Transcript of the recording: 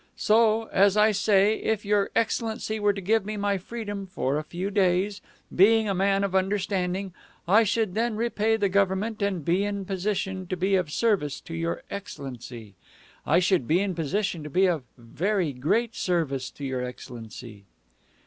"So, as I say, if your excellency were to give me my freedom for a few days, being a man of understanding, I should then repay the government and be in position to be of service to your excellency. I should be in position to be of very great service to your excellency."